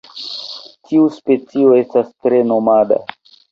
Tiu specio estas tre nomada.